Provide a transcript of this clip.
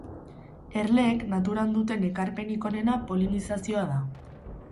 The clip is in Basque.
Erleek naturan duten ekarpenik onena polinizazioa da.